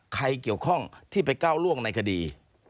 ใครเกี่ยวข้องที่ไปก้าวล่วงในคดี